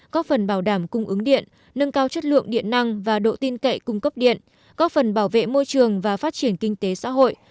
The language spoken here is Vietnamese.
có phần bảo đảm cung ứng điện nâng cao chất lượng điện năng và độ tin cậy cung cấp điện góp phần bảo vệ môi trường và phát triển kinh tế xã hội